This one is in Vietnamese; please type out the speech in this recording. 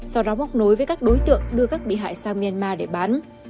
sau đó bốc nối với các đối tượng đưa các bị hại sang myanmar để bán